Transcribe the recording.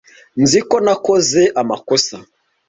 Nzi ko nakoze amakosa.